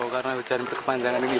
oh karena hujan itu kepanjangan ini